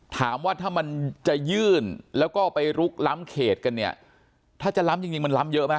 ถามว่าถ้ามันจะยื่นแล้วก็ไปลุกล้ำเขตกันเนี่ยถ้าจะล้ำจริงจริงมันล้ำเยอะไหม